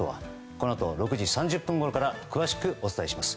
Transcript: このあと６時３０分ごろから詳しくお伝えします。